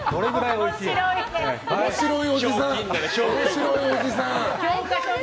面白いおじさん！